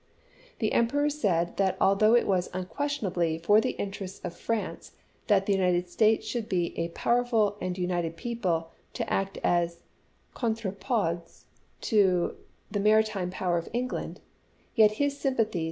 The Emperor said that although it was unquestionably for the interests of France that the United States should be a power ful and united people to act as a " contrepoids " to erate Archives MEDIATION DECLINED 77 the maritime power of England, yet his sympathies chap.